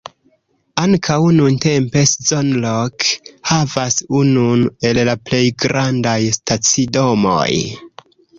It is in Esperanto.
Ankaŭ nuntempe Szolnok havas unun el la plej grandaj stacidomoj.